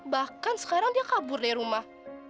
bahkan sekarang dia kabur dari rumah